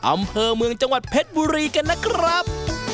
อำเภอเมืองจังหวัดเพชรบุรีกันนะครับ